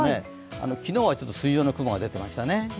昨日は筋状の雲が出ていましたね。